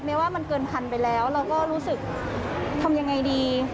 ว่ามันเกินพันไปแล้วเราก็รู้สึกทำยังไงดี